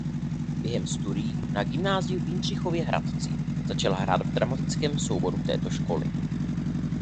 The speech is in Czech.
Během studií na gymnáziu v Jindřichově Hradci začal hrát v dramatickém souboru této školy.